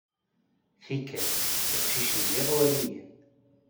Tikkal, iqcicen d iɣwaliyen.